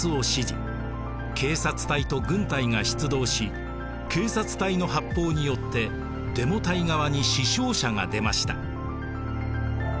警察隊と軍隊が出動し警察隊の発砲によってデモ隊側に死傷者が出ました。